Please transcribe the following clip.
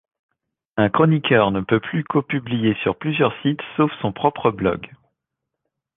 Un chroniqueur ne peut plus copublier sur plusieurs sites sauf son propre blog.